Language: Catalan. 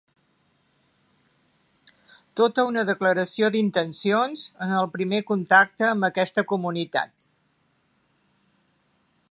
Tota una declaració d’intencions en el primer contacte amb aquesta comunitat.